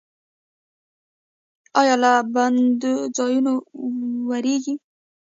ایا له بندو ځایونو ویریږئ؟